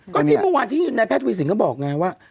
ก็ที่เมื่อวานที่นายแพทย์ทวีสินก็บอกไงว่า